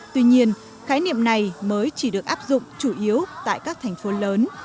tuy nhiên khái niệm này mới chỉ được áp dụng chủ yếu tại các thành phố lớn